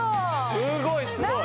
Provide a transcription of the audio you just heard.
すごいすごい。